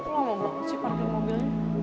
lama banget sih parking mobilnya